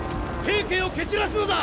平家を蹴散らすのだ！